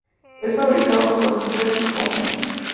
Es fabricado por The Hershey Company.